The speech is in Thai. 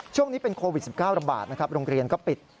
ช่วงนี้เป็นโควิด๑๙ระบาดนะครับโรงเรียนก็ปิด